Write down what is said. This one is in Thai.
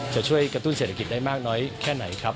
จะช่วยกระตุ้นเศรษฐกิจได้มากน้อยแค่ไหนครับ